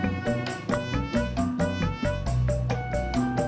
jangan bawa paulalnya